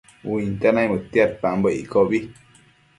Uinte naimëdtiadpambo iccobi